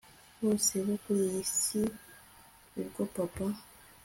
bose bo kuriyi si ubwo papa